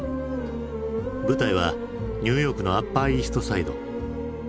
舞台はニューヨークのアッパーイーストサイド。